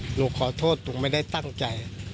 หนูขอโทษหนูไม่ได้ตั้งใจ